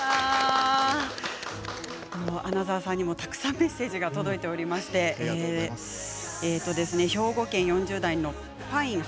穴澤さんにもたくさんメッセージが届いておりまして兵庫県の４０代の方。